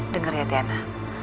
dengar ya tiana